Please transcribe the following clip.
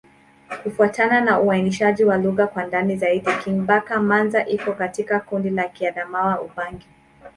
Kufuatana na uainishaji wa lugha kwa ndani zaidi, Kingbaka-Manza iko katika kundi la Kiadamawa-Ubangi.